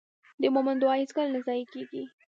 د مؤمن دعا هېڅکله نه ضایع کېږي.